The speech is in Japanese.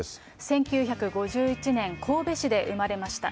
１９５１年、神戸市で生まれました。